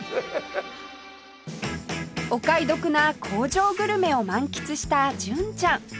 お買い得な工場グルメを満喫した純ちゃん